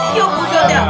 iya bosat ya